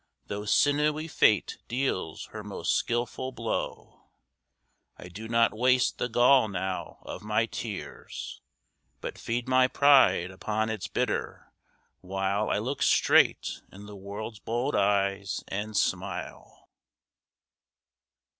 Though sinewy Fate deals her most skilful blow, I do not waste the gall now of my tears, But feed my pride upon its bitter, while I look straight in the world's bold eyes, and smile.